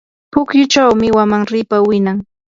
pukyuchawmi wamanripa winan.